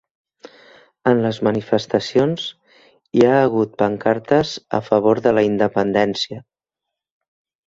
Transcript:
En les manifestacions hi ha hagut pancartes a favor de la independència